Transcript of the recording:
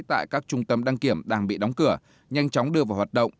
tại các trung tâm đăng kiểm đang bị đóng cửa nhanh chóng đưa vào hoạt động